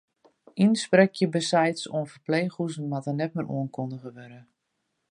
Ynspeksjebesites oan ferpleechhûzen moatte net mear oankundige wurde.